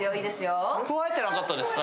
くわえてなかったですか？